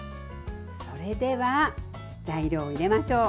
それでは、材料を入れましょう。